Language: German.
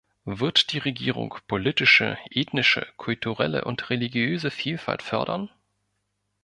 Wird die Regierung politische, ethnische, kulturelle und religiöse Vielfalt fördern?